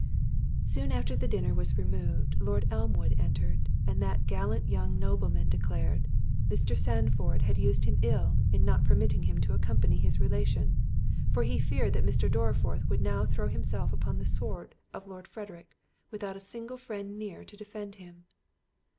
Soon after the dinner was removed, Lord Elmwood entered; and that gallant young nobleman declared—"Mr. Sandford had used him ill, in not permitting him to accompany his relation; for he feared that Mr. Dorriforth would now throw himself upon the sword of Lord Frederick, without a single friend near to defend him."